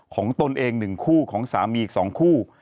ของตนเองหนึ่งคู่ของสามีอีกสองคู่